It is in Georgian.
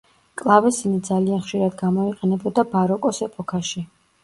კლავესინი ძალიან ხშირად გამოიყენებოდა ბაროკოს ეპოქაში.